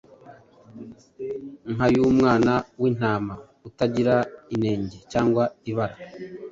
nk’ay’umwana w’intama utagira inenge cyangwa ibara,